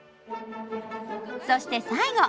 そして最後。